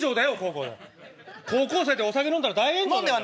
高校生でお酒飲んだら大炎上だよ。